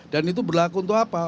dan itu berlaku untuk apa